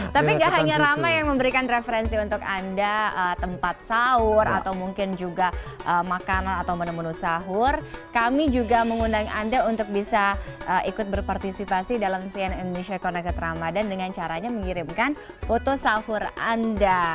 tapi gak hanya ramai yang memberikan referensi untuk anda tempat sahur atau mungkin juga makanan atau menu menu sahur kami juga mengundang anda untuk bisa ikut berpartisipasi dalam cn indonesia connected ramadan dengan caranya mengirimkan foto sahur anda